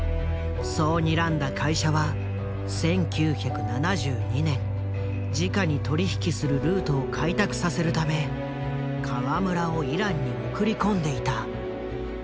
そうにらんだ会社は１９７２年じかに取り引きするルートを開拓させるため河村をイランに送り込んでいた。